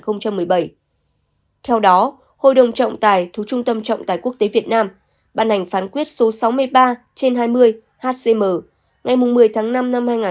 theo đó hội đồng trọng tài thu trung tâm trọng tài quốc tế việt nam bàn ảnh phán quyết số sáu mươi ba hai mươi hcm ngày một mươi năm hai nghìn hai mươi ba tuyên bố rằng